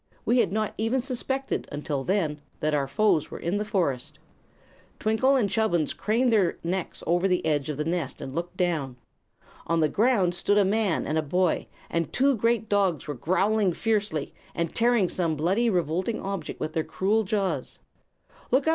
We had not even suspected, until then, that our foes were in the forest." Twinkle and Chubbins craned their necks over the edge of the nest and looked down. On the ground stood a man and a boy, and two great dogs were growling fiercely and tearing some bloody, revolting object with their cruel jaws. "Look out!"